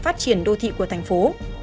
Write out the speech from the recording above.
phát triển đô thị của thành phố